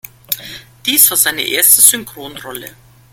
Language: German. Dies war seine erste Synchronrolle.